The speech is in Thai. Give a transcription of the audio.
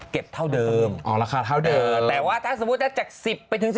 เก็บเท่าเดิมแต่ว่าถ้าสมมุติจาก๑๐ไปถึง๑๔